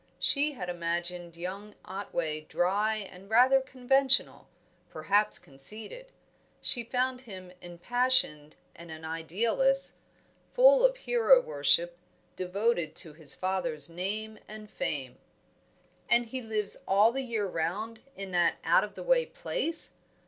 She had imagined young Otway dry and rather conventional, perhaps conceited; she found him impassioned and an idealist, full of hero worship, devoted to his father's name and fame. "And he lives all the year round in that out of the way place?"